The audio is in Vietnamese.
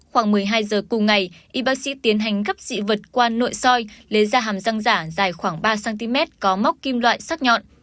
khoảng một mươi hai giờ cùng ngày y bác sĩ tiến hành gấp dị vật qua nội soi lấy ra hàm răng giả dài khoảng ba cm có móc kim loại sắc nhọn